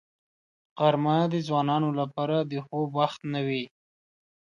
غرمه د ځوانانو لپاره د خوب وخت نه وي